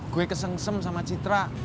gue kesengsem sama citra